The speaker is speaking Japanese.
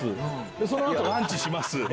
その後ランチします。